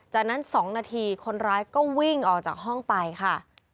จากนั้น๒นาทีคนร้ายก็วิ่งออกจากห้องไปค่ะ